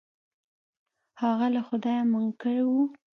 هغه له خدايه منکر و.